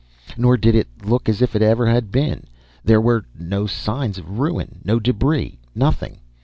Nor did it look as if it ever had been. There were no signs of ruin, no debris, nothing.